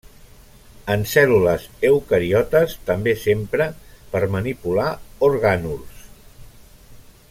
En cèl·lules eucariotes també s'empra per manipular orgànuls.